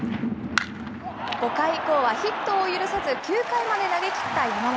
５回以降はヒットを許さず、９回まで投げきった山本。